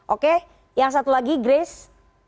oke yang satu lagi grace